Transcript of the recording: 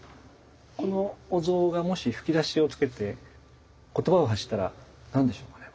このお像がもし吹き出しをつけて言葉を発したら何でしょうかね？